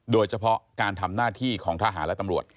โดยเฉพาะการทำหน้าที่ของทหารและตำรวจ